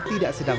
tidak ada batang